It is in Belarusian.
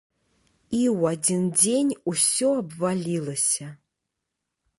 І ў адзін дзень усё абвалілася!